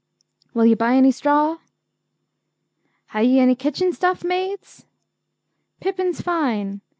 'Will you buy any straw?' 'Hay yee any kitchen stuff, maids?' 'Pippins fine!